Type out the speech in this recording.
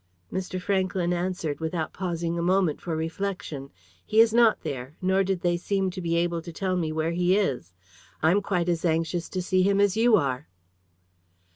Mr. Franklyn answered, without pausing a moment for reflection. "He is not there. Nor did they seem to be able to tell me where he is. I'm quite as anxious to see him as you are."